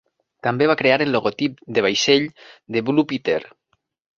També va crear el logotip de vaixell de Blue Peter.